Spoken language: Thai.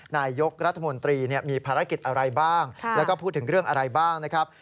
นายกรัฐมนตรีมีภารกิจอะไรบ้างแล้วก็พูดถึงเรื่องอะไรบ้างนะครับ